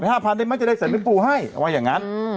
เออไป๕๐๐๐ได้ไหมจะได้เสร็จมิ้นปูให้ว่าอย่างนั้น